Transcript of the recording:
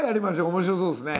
面白そうですね」。